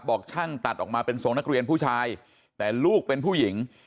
บอกช่างตัดออกมาเป็นทรงนักเรียนผู้ชายแต่ลูกเป็นผู้หญิง